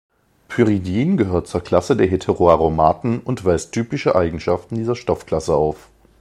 Pyridin gehört zur Klasse der Heteroaromaten und weist typische Eigenschaften dieser Stoffklasse auf.